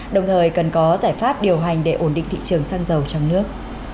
đồng thời cần có giải pháp điều hành để ổn định thị trường xăng dầu trong nước